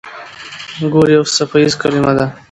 ګور يو څپيز کلمه ده.